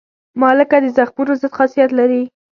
مالګه د زخمونو ضد خاصیت لري.